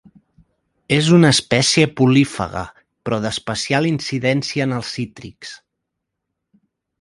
És una espècie polífaga, però d'especial incidència en els cítrics.